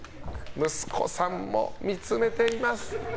息子さんも見つめています